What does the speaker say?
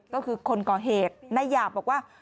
ก็คือคนก่อเหตุนายหยาบบอกว่า